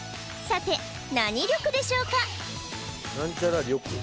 さて何力でしょうか？